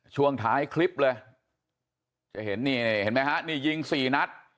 ช่วงท้ายคลิปเลยจะเห็นนี่เห็นไหมฮะนี่ยิงสี่นัด